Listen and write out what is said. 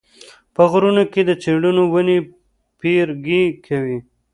په غرونو کې د څېړو ونې پیرګي کوي